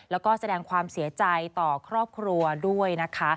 แล้วก็แสดงความเสียใจต่อครอบครัวด้วยนะคะ